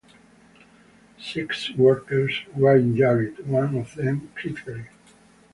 Six workers were injured, one of them critically.